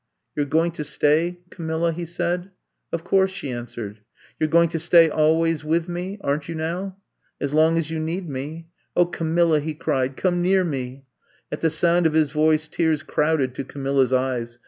*'You 're going to stay, Camilla," he said. Of course, '' she answered. You 're going to stay always with me, aren't you now?" As long as you need me." *'0h, Camilla!" he cried. Come near me!" At the sound of his voice, tears crowded to Camilla's eyes.